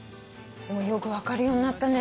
よく分かるようになったね。